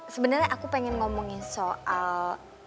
sebenarnya aku pengen ngomongin soal